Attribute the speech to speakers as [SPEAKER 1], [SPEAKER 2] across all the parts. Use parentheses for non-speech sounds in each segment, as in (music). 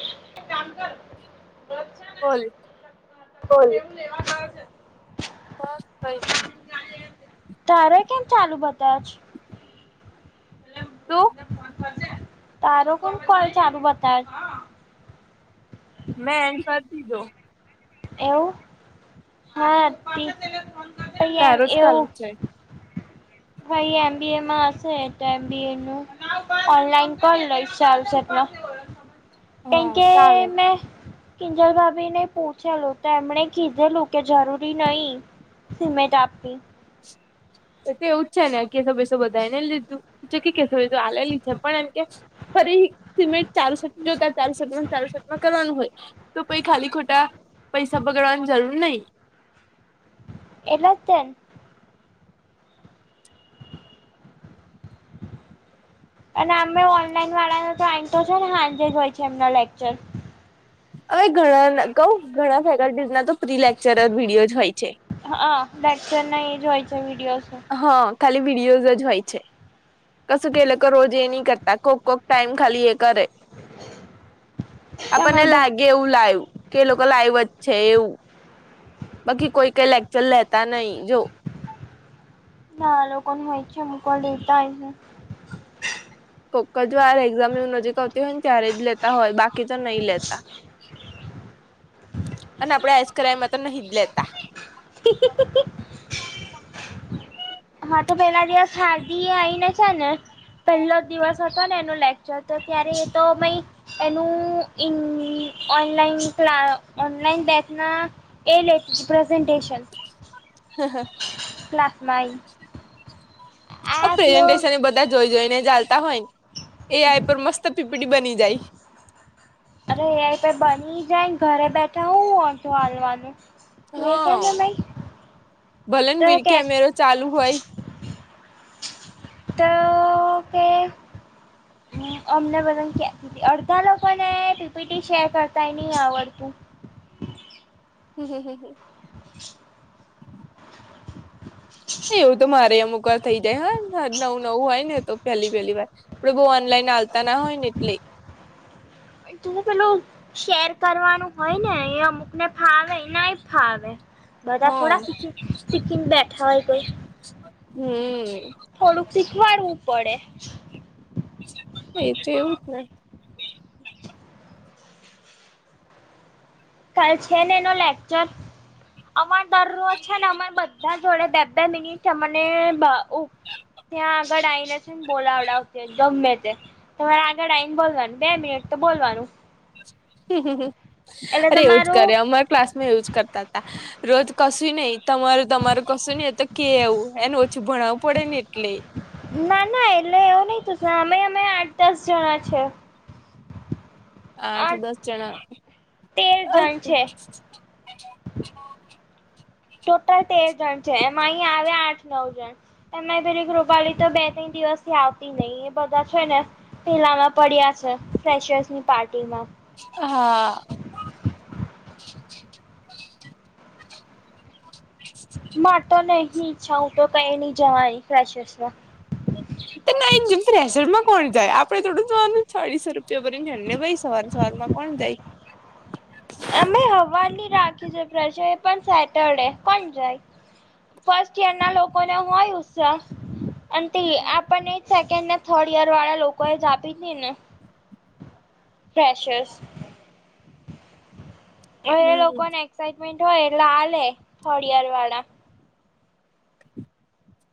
[SPEAKER 1] (unintelligible) કામ કર
[SPEAKER 2] બોલ
[SPEAKER 1] (inaudible)
[SPEAKER 2] બસ કઈ છે
[SPEAKER 1] તારે કેમ ચાલુ બતાવે છે
[SPEAKER 2] શું
[SPEAKER 1] તારો કોણ કોલ ચાલુ બતાવે છે
[SPEAKER 2] મે એન્ડ કરી દીધો
[SPEAKER 1] એવું હા (inaudible)
[SPEAKER 2] તારું જ ચાલુ છે
[SPEAKER 1] હ એ એમ બી એમાં હશે તો એમ બી એનું ઓનલાઈન કર લઈશ ચાલશે એટલે કેમ
[SPEAKER 2] હા
[SPEAKER 1] કે
[SPEAKER 2] ચાલે
[SPEAKER 1] મે કિંજલભાભી ને પૂછેલું તો એમણે કીધેલું કે જરૂરી નહી સિમેન્ટ આપવી
[SPEAKER 2] એતો એવું જ છે ને કેશું બેસું બધાને લીધું જો કે કેશુ એ તો આલેલી છે પણ એમ કે ફરી સિમેન્ટ ચારુસેટ જો તાર ચારુસેટ માં ને ચારુસેટમાં કરવાનું હોય તો પઈ ખાલી ખોટા પૈસા બગડવાની જરૂર નહી
[SPEAKER 1] એટલે તે ન અને અમે ઓનલાઈન વાળા (unintelligible) છે ને સાંજે જ હોય છે એમનો લેક્ચર
[SPEAKER 2] હવે ઘણા કઉ ઘણા ફેકલ્ટીઝ ના તો પ્રી લેક્ચરર વિડીયો જ હોય છે
[SPEAKER 1] હા લેક્સર ન એજ હોય છે વિડીયોસ
[SPEAKER 2] હા ખાલી વિડીયોઝ જ હોય છે કશું કે લોકો રોજ એ ન કરતા કોક કોક ટાઈમ ખાલી એ કરે આપણને
[SPEAKER 1] તમારા ભાઈ
[SPEAKER 2] લાગે કેવું લાઈવ કે લોકો લાઈવ જ છે એવું બાકી કોઈ કઈ લેક્ચર લેતા નહી જો
[SPEAKER 1] ના લોકોનું હોય છે અમુક વાર લેતા હોય છે
[SPEAKER 2] કોક જ વાર એક્ઝામ ને એવું નજીક આવતી હોય ને ત્યારે જ લેતા હોય બાકી તો નહી લેતા અને આપડે આઈસક્રાઈમાં તો નહી જ લેતા
[SPEAKER 1] (unintelligible) હા તો પેલા દિવસ હારદી આઇ ને છે ને પહેલો દિવસ હતો ને એનો લેક્ચર તો ત્યારે એ તો મય એનું (unintelligible) ઓનલાઈન ક્લા ઓનલાઈન બેથના એ લેતી તી પ્રઝન્ટન્ટેશન
[SPEAKER 2] હ હ
[SPEAKER 1] આઈ આપ લોગ
[SPEAKER 2] પ્રેઝન્ટન (unintelligible) બધા જોઈ જોઈ ને આલતા હોય ને એઆઇ પર મસ્ત પીપીટી બની જાય
[SPEAKER 1] અરે એેઆઈ પે બની જાયને ઘરે બેઠા હું વોધો આલવાનું મે ક્યા
[SPEAKER 2] હા
[SPEAKER 1] ભાઈ
[SPEAKER 2] ભલે ને
[SPEAKER 1] ત
[SPEAKER 2] વીર
[SPEAKER 1] કે
[SPEAKER 2] કેમેરો ચાલુ હોય
[SPEAKER 1] તો કે હ અમને બધ કે અડધા લોકો એ ટીપીટીી શેર કરતાાય નહી આવડતું
[SPEAKER 2] હમ હ હમમ
[SPEAKER 1] (unintelligible)
[SPEAKER 2] એવું તો મારે અમુક વાર થઇ જાય હા નવું નવું હોય ને તો પહેલી-પહેલી વાર આપડે બહુ ઓનલાઈન આલતા ના હોય ને એટલે
[SPEAKER 1] તું પેલો શેર કરવાનું હોય ને એ અમુકને ફાવે નાય ફાવે
[SPEAKER 2] હ
[SPEAKER 1] બધા થોડા શીખી શીખીને બેઠા હોય કોઈ
[SPEAKER 2] હમ
[SPEAKER 1] થોડુંક શીખવાડવું પડે
[SPEAKER 2] એ તો એવું જ ને
[SPEAKER 1] કાલ છે ને એનો લેક્ચર અમાર દરરોજ છે ને અમાર બધા જ થોડા બે બે મિનિટ અમને અ ત્યાં આગળ આઈને શ બોલાવડાવતી ગમે તે તમારે આગળ આવીને બોલવાનું બે મિનિટ તો બોલવાનું
[SPEAKER 2] હમમ
[SPEAKER 1] એટલે
[SPEAKER 2] અરે એવું જ કરે
[SPEAKER 1] તમારું
[SPEAKER 2] અમારા ક્લાસ માં એવું જ કરતા હતા રોજ કશું નહીં તમારું તમારું કશું નહિ એ તો કે એવું એને ઓછું ભણાવવું પડે ને એટલે
[SPEAKER 1] ના ના એટલે એવું નહીં શુ અમે અમે આઠ દસ જણા છે
[SPEAKER 2] આઠ દસ જણા
[SPEAKER 1] તેર જણ છે ટોટલ તેર જણ છે એમાં અહીં આવે આઠ નવ જણ એમાં પેરી કુપાડી તો બે ત દિવસ થી આવતી નહી એ બધા છે ને પેલામાં પડ્યા છે ફેશસની પાર્ટીમાં
[SPEAKER 2] હા
[SPEAKER 1] મા તો નહી ઈચ્છા હું તો કઈ નહી જવાની ફેશસ માં
[SPEAKER 2] (unintelligible) ના માં કોણ જાય આપે થોડું જવાનું ચાળીસો રૂપિયા ભર જને ભાઈ સવાર સવારમાં કોણ જાય
[SPEAKER 1] અમે હવાની રાખી છે પ્રજ એ પણ સેટરડે કોણ જાય ફર્સ્ટ યર ના લોકોને હોય ઉત્સાહ અને તે આપણને એ જ સેકન્ડ ને થર્ડ યર વાળા લોકોએ જ આપી ને ફ્રેેશસ હ એ
[SPEAKER 2] હમ
[SPEAKER 1] લોકોને એક્સાાઈટમેન્ટ હોય એટલે આ લે થોડ યર વાળા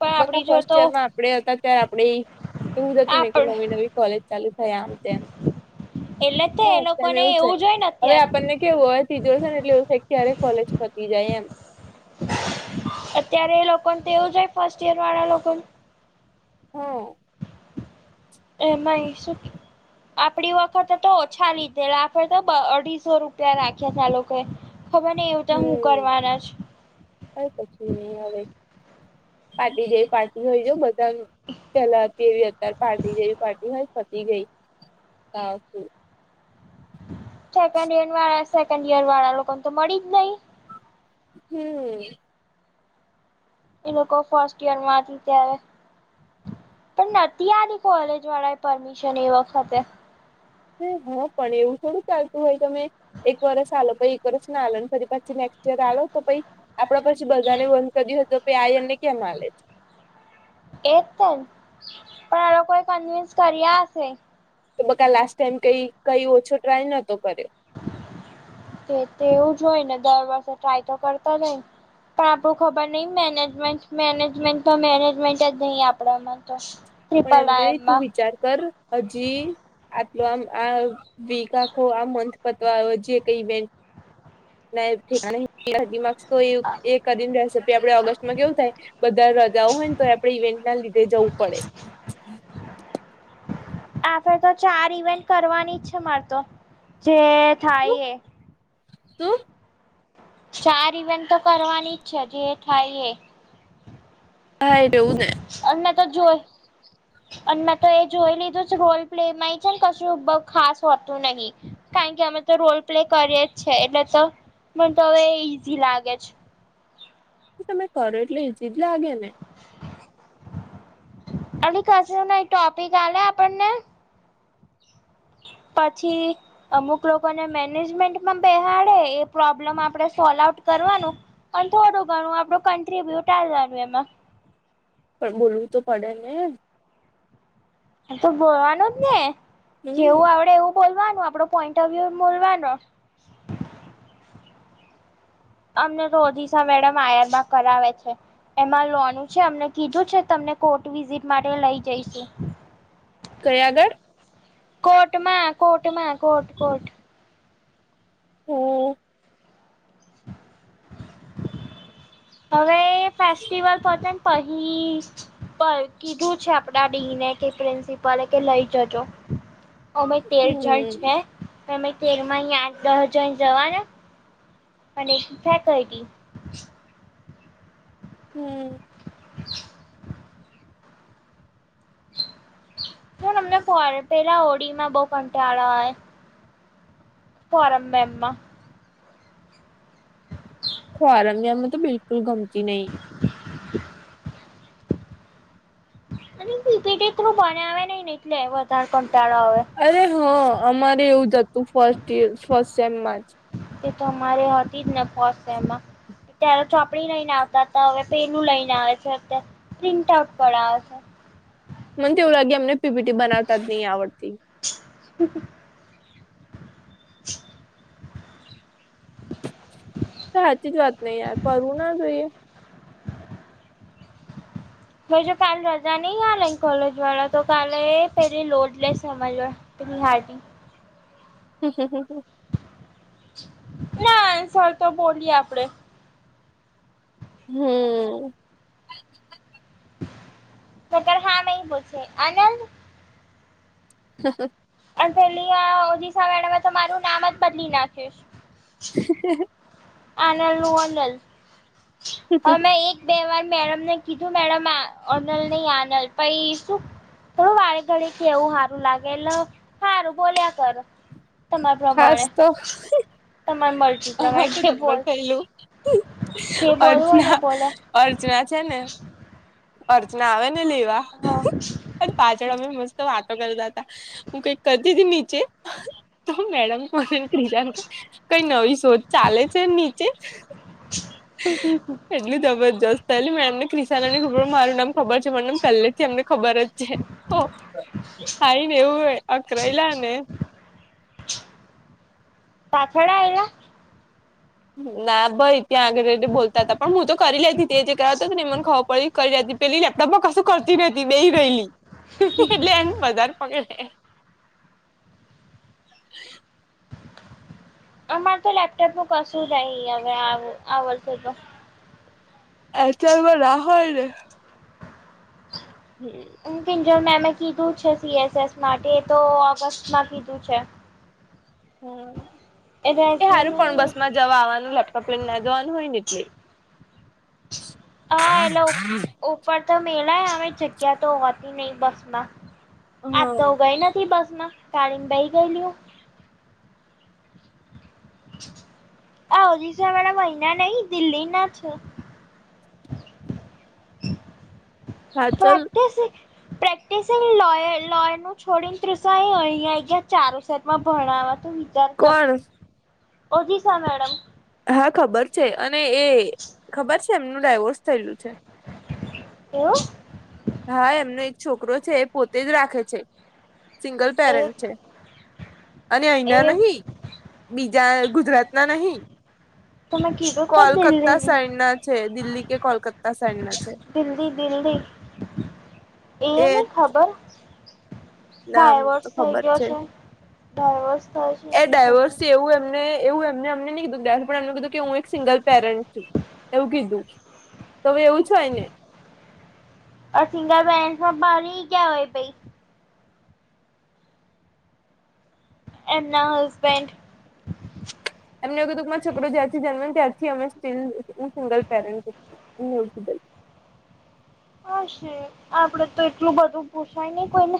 [SPEAKER 1] પણ આપડી
[SPEAKER 2] બકા
[SPEAKER 1] જો
[SPEAKER 2] ફર્સ્ટ
[SPEAKER 1] તો
[SPEAKER 2] યર માં આપડે હતા ત્યારે આપણેે એવું જ થતું નને કે
[SPEAKER 1] આપડ
[SPEAKER 2] નવી નવી કોલેજ ચાલુ થાય આમ તેમ
[SPEAKER 1] એટલે તે
[SPEAKER 2] બ
[SPEAKER 1] એ
[SPEAKER 2] તેમ
[SPEAKER 1] લોકોને
[SPEAKER 2] એવું છે
[SPEAKER 1] જોય ને
[SPEAKER 2] હવે
[SPEAKER 1] અત્યાર
[SPEAKER 2] આપણને કેવું હોય સીધો હશે એટલે ક્યારે કોલેજ પતી જાય એમ
[SPEAKER 1] અત્યારે એ લોકોને તો એવું જ હોય ફર્સ્ટ ઈયર વાળા લોકોને
[SPEAKER 2] હો
[SPEAKER 1] એમાં શીખી આપણી વખતે તો ઓછા લીધેલા આપે તો બ અઢીસો રૂપિયા રાખ્યા તા લોકો ખબર ને એવું તો હું કરવાના જ
[SPEAKER 2] હ પછી નહી હવે પાટી જઈ પા જોઈ જા બધા પેલા હતી એવી હતી અતયારે પાર્ટી જેવી પાર્ટી હોય પતી ગઈ તા
[SPEAKER 1] સેકન્ડ વાળા સેકન્ડ ઈયર વાળા લોકોને તો મળી જ નહી
[SPEAKER 2] હમ
[SPEAKER 1] એ લોકો ફર્સ્ટ ઈયર માંથી ત્યારે પણ નથી આવ કોલેજ વાળા એ પરમિશન એ વખતે
[SPEAKER 2] હા પણ એવું થોડું ચાલતું હોય તમે એક વરસ આલો પછી એક વરસ ના આલો પછી પછી નેક્સ્ટ યર આલો તો પછી આપણે પછી બધાને બંધ કર્યું હતું કે આ એમને ક્યાં મળે છે.
[SPEAKER 1] એજ પણ આ લોકોએ કન્વિન્સ કર્યા હશે?
[SPEAKER 2] તો બકા લાસ્ટ ટાઈમ કઈ કઈ ઓછો ટ્રાય નતો કર્યો.
[SPEAKER 1] એ તો એવું જ હોય ને દર વર્ષે ટ્રાય તો કરતા જ હોય ને પણ આપણું ખબર નથી મેનેજમેન્ટ જ નથી આપણા તો
[SPEAKER 2] પણ એમ નહીં તો
[SPEAKER 1] આઈમાં
[SPEAKER 2] વિચાર કર હજી આટલું આમ આ આ મંથ પતવા આયો જે કંઈ આપડે ઓગસ્ટમાં કેવું થાય છે. બધી રજાઓ હોય ને તો પણ આપણે ઈવેન્ટના લીધે જવું પડે.
[SPEAKER 1] (unintelligible) આે તો ચાર ઇવેન્ટ કરવાની છે મારે તો જે થાય એ
[SPEAKER 2] તો
[SPEAKER 1] ચાર ઇવેન્ટ તો કરવાની જ છે જે થાય એ.
[SPEAKER 2] હા એવુંજ ને.
[SPEAKER 1] અને મેં તો જોયું અને મેં તો એ જોઈ લીધું છે રોલ પ્લેમાંય છે ને કશું ખાસ હોતું નથી કારણ કે અમે તો રોલ પ્લે કરીએ જ છે એટલે તો મને તો હવે ઈઝી લાગે છે.
[SPEAKER 2] તમે કરો એટલે ઇઝી લાગે ને
[SPEAKER 1] ટોપિક આલે આપણને. પછી. અમુક લોકોને મેનેજમેન્ટમાં બેસાડે એ પ્રોબ્લેમ આપણે સોલ્વ આઉટ કરવાનું પણ થોડું ઘણું આપડું કન્ટ્રીબ્યુ આપવાનું એમાં.
[SPEAKER 2] પણ બોલવું તો પડે ને.
[SPEAKER 1] તો બોલવાનું જ ને જેવું આવડે એવું બોલવાનું આપડો પોઈન્ટ ઓફ વ્યુ બોલવાનો. અમને રોજિસા મેડમ આય આર બા કરાવે છે. એમાં લોનું છે અમને કીધું છે તમને કોર્ટ વિઝિટ માટે લઈ જઈશું.
[SPEAKER 2] કઈ આગળ?
[SPEAKER 1] કોર્ટમાં કોર્ટમાં કોર્ટ કોર્ટ
[SPEAKER 2] હા.
[SPEAKER 1] હવે ફેસ્ટિવલ પતેને પછી. પણ કીધું છે આપડા ડીને કે પ્રિન્સિપલે કે લઈ જજો. અમે તેર જણ
[SPEAKER 2] હમ
[SPEAKER 1] છે અમે તેરમાં અહીંયા દસ જણ જવાના છે. અને ફેકલ્ટી
[SPEAKER 2] હા.
[SPEAKER 1] હા. ના અમને પેલા ઓડીમાં બહુ કંટાળો આવે છે. ફોરમ મેમનો
[SPEAKER 2] ફોર્મ મેમ તો બિલકુલ ગમતી નથી.
[SPEAKER 1] (unintelligible) અને પીપીટી થ્રું બને ભણાવે એટલે વધારે કંટાળો આવે.
[SPEAKER 2] અરે હ અમારે એવું જ હતું ફર્સ્ટ સેમમા.
[SPEAKER 1] તે તો અમારે હતી જ ને ફર્સ્ટ એમાં. ત્યારે ચોપડી લઈને આવતા હતા હવે પેલું લઈને આવે છે અત્યારે પ્રિન્ટ આઉટ કરાવ છે.
[SPEAKER 2] મને એવું લાગે એમને પીપીટી બનાવતા જ નહી આવડતી.
[SPEAKER 1] હા. (unintelligible) (unintelligible)
[SPEAKER 2] તો સાચી જ વાત ને ફરવું ના જોઈએ.
[SPEAKER 1] હ જો કાલે રજા નહી આ લઈ કોલેજ વાળા તો કાલે પેલી લોડલેસ સમજવા (unintelligible)
[SPEAKER 2] હમ હમ હમમ
[SPEAKER 1] ના આન્સર તો બોલીએ આપડે
[SPEAKER 2] હમ
[SPEAKER 1] બત હા ન પૂછે અનંદ
[SPEAKER 2] હા હ.
[SPEAKER 1] અને પેલી ઓિશ મેડમે તો મારું નામ જ બદલી નાખીશ.
[SPEAKER 2] હ.
[SPEAKER 1] આનલનલ હ મેં એક બે વાર મેડમને કીધું મેડમ અનલ નહી આનલ પ શું. થોડું વાળ ઘડી કે એવું સારું લાગે સારું બોલ્યા કર. તમાર પ્રમાણે
[SPEAKER 2] ખાસ તો
[SPEAKER 1] તમારે મતી પ્રમાણે જે
[SPEAKER 2] બ
[SPEAKER 1] બોલ
[SPEAKER 2] થલું
[SPEAKER 1] જે બોલવું હોય ને
[SPEAKER 2] અર્ચના
[SPEAKER 1] બોલો
[SPEAKER 2] અર્ચના છે ને અર્ચના આવે ને લેવા.
[SPEAKER 1] હા
[SPEAKER 2] પાછળ અમે મસ્ત વાતો કરતા હતા હું કઈક કરતી હતી નીચે તો મેડમ કો કિજા કઈ નવી શોધ ચાલે છે નીચે જ.
[SPEAKER 1] (unintelligible)
[SPEAKER 2] એટલું જબરજસ્તય એલી મે એમને કિસાાન ને ખબર મારું નામ ખબર છે મ નામ પહેલેથી એમને ખબર જ થાઈ ને એવું હો અકરાયલા ને.
[SPEAKER 1] ત ખડા આવયા.
[SPEAKER 2] ના ભાઈ ત્યાં આગળ બોલતા હતા પણ હું તો કરી લેતી તે જે કરાવતો નેને ખવા પડી કરી લેતી. પેલી લેપટોપમાં કશું કરતી નહતી બેઈ રહેલી એટલે એમ વધારે પકડ.
[SPEAKER 1] અમારે તો લેપટોપ નું કશું રહી હવે આવર્ષ તો
[SPEAKER 2] એ ચાલમાંર રાહ હોય રે. હમ.
[SPEAKER 1] હકિન્જર મેં મેમે કીધું છે સીએસએસ માટે એ તો ઓગસ્ટમાં કીધું છે.
[SPEAKER 2] હમ. એ સારું પણ
[SPEAKER 1] રેઝ્યુમે
[SPEAKER 2] બસ માં જવા આવવાનું લેપટોપ લઈને ના જવાનું હોય ને એટલે.
[SPEAKER 1] હા હેલો. ઉપર તો મેલાય અ જગ્યા તો હોતી નહ બસ માં. આજ તો
[SPEAKER 2] હા
[SPEAKER 1] ગઈ નથી બસમાં તાળીને બેહી ગયેલું. આવ જ સાના મહિના નહી દિલ્હી ના છ
[SPEAKER 2] હા ચલ
[SPEAKER 1] પ્રક્ટ પ્ર લોયર નું છોડીને ત્રસ અહિયાંં ચારો સામાં ભણાવવા. જાર
[SPEAKER 2] કોણ
[SPEAKER 1] ઓ જીસ મેડમ.
[SPEAKER 2] હા ખબર છે અને એ ખબર છે એમનું ડાયવોર્સ થયેલું છે.
[SPEAKER 1] હવ.
[SPEAKER 2] હા એમનો એક છોકરો છે એ પોતે જ રાખે છે. સિંગલ
[SPEAKER 1] એક
[SPEAKER 2] પેરેન્ટ છે અને અહીના
[SPEAKER 1] એ
[SPEAKER 2] નહી. બીજા ગુજરાત ના નહી.
[SPEAKER 1] તોમે ક.
[SPEAKER 2] કોલકત્તા સાઈડ ના છે દિલ્હી કે કોલકતા સાઈડ ના છે?
[SPEAKER 1] દિલ્હી દિલ્હી એ નહી ખબર,
[SPEAKER 2] નામ
[SPEAKER 1] ડાય
[SPEAKER 2] તો
[SPEAKER 1] વર્ષ થઇ
[SPEAKER 2] ખબર
[SPEAKER 1] ગયો છે ડાય વર્ષ.
[SPEAKER 2] એ ડાયવોર્સ એવું એમને એવું એમ. એમને અમને નહી કીધું પણ એમને કીધું કે હું એક સિંગલ પેરેન્ટ છું એવું કીધું. તો હવે એવું છ ને.
[SPEAKER 1] અ સિંગલ બેન બરી ક્યાવાય પી. એમના હસબન્ડ-
[SPEAKER 2] એમને એવું કે મારા છોકરો જ્યારથી જન્મે ત્યારથી અમે સ્ટીલ સિંગલ પેરેન્ટવ
[SPEAKER 1] હાશે આપડે તો એટલું બધું પૂછાય નહી કોઈને.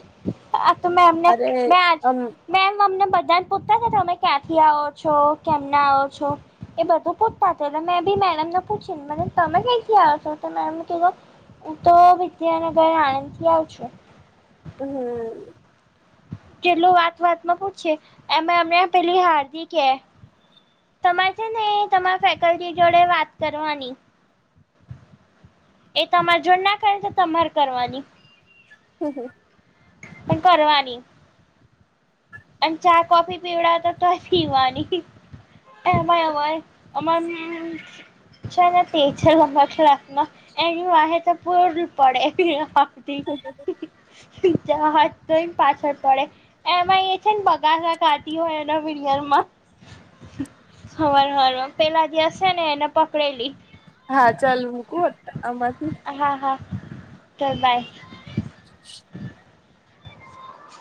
[SPEAKER 1] આ તો મે એમને
[SPEAKER 2] અરે
[SPEAKER 1] મે આજ
[SPEAKER 2] આમ
[SPEAKER 1] (unintelligible) મેમ અમને બધાને પૂછતા છે, તમે ક્યાંથી આવો છો કેમ ના આવો છો. એ બધું પૂછતા હતા એટલે મેં બી મેડમને પૂછીને મેડમ તમે કથી આવ્યો છો મેડમ કીધો. હું તો વિદ્યાનગર આણંદ થી આવ છું.
[SPEAKER 2] હમ હમ.
[SPEAKER 1] પેલું વાત વાતમાં પૂછી એમ એમને પેલી હાર્દિક એ, તમારે છે ને તમારા ફેકલ્ટી જોડે વાત કરવાની. એ તમારે જો ના કરે તો તમારે કરવાની.
[SPEAKER 2] હમ હમ
[SPEAKER 1] પણ કરવાની. અને ચા કોફી પીવડા હતા તો પીવાની, એવા એવા હોય અમારી છે તે છે લબક્ષ રાતમાં એની વા તો પૂર પડે. જા (unintelligible) હાર તોમ પાછર પડે એમએ, બગા કાઢી હોય એના વિર માં (unintelligible) સવાર સવારમાં પહેલા દિવસે એને પકડેલી.
[SPEAKER 2] હા ચાલ મૂકું આમાંથી,
[SPEAKER 1] હા હા ચલ બાય.
[SPEAKER 2] (inaudible)